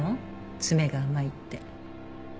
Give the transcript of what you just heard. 詰めが甘いって。